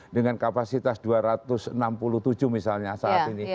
dengan kapasitas dua ratus enam puluh tujuh misalnya saat ini